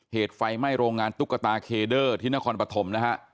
เหตุไฟไหม้โรงงานตุ๊กตาเคเดอร์ที่นครปฐมนะฮะ